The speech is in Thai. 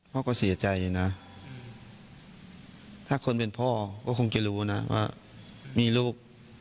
พ่อก็เสียใจนะถ้าคนเป็นพ่อก็คงจะรู้นะว่ามีลูก